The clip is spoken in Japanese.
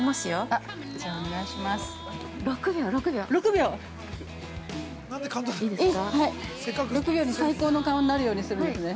◆６秒で最高の顔になるようにするんですね。